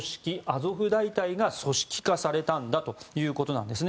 アゾフ大隊が組織化されたんだということです。